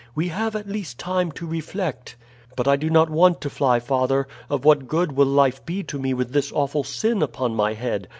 "We have at least time to reflect." "But I do not want to fly, father. Of what good will life be to me with this awful sin upon my head?